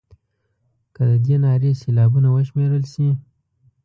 که د دې نارې سېلابونه وشمېرل شي.